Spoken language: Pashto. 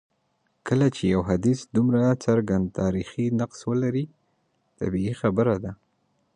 کله چي یو حدیث دومره څرګند تاریخي نقص ولري طبیعي خبره ده.